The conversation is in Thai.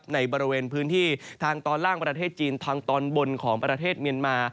ในบริเวณพื้นที่ทางตอนล่างประเทศจีนทางตอนบนของประเทศเมียนมา